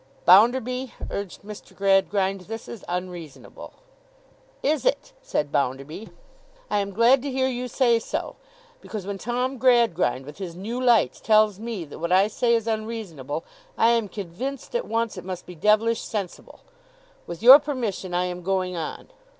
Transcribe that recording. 'Bounderby,' urged Mr. Gradgrind, 'this is unreasonable.' 'Is it?' said Bounderby. 'I am glad to hear you say so. Because when Tom Gradgrind, with his new lights, tells me that what I say is unreasonable, I am convinced at once it must be devilish sensible. With your permission I am going on.